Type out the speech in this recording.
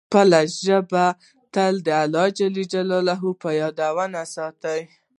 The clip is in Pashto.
خپله ژبه تل د الله جل جلاله په یاد لنده ساته.